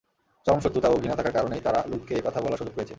চরম শত্রুতা ও ঘৃণা থাকার কারণেই তারা লূতকে এ কথা বলার সুযোগ পেয়েছে।